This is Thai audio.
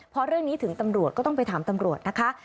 พอเรื่องนี้ถึงตำรวจก็ต้องไปถามตำรวจนะคะ